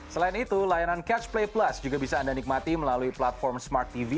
selain itu layanan catch play plus juga bisa anda nikmati melalui platform smart tv